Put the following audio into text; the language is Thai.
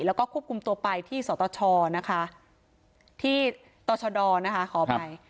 แล้วก็ควบคุมตัวไปที่สตชนะคะที่ต่อชดนะคะขออภัย